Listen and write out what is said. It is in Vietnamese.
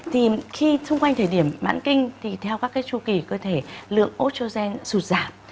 thì khi xung quanh thời điểm mãn kinh thì theo các chu kỳ cơ thể lượng estrogen sụt giảm